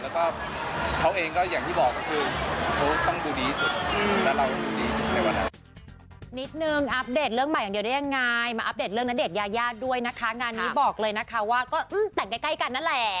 แล้วก็เขาเองก็อย่างที่บอกก็คือเขาต้องดูดีที่สุดแล้วเรายังดูดีสุดในวันนั้น